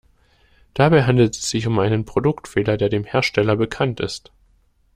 Dabei handelt es sich um einen Produktfehler, der dem Hersteller bekannt ist.